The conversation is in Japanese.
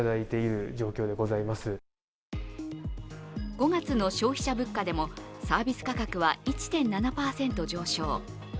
５月の消費者物価でもサービス価格は１．７％上昇。